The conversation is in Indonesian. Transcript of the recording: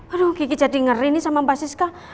aduh kiki jadi ngeri nih sama mbak siska